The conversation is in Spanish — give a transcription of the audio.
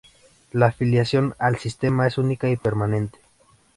La afiliación al Sistema es única y permanente.